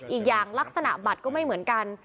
อีกอย่างลักษณะบัตรก็ไม่เหมือนกัน